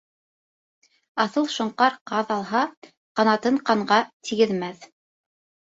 Аҫыл шоңҡар ҡаҙ алһа, ҡанатын ҡанға тигеҙмәҫ.